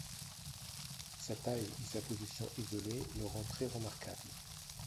Sa taille et sa position isolée le rend très remarquable.